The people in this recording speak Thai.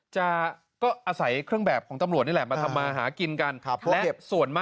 จะอาศัยเครื่องแบบของตำรวจนี่แหละมาทำมาหากินกัน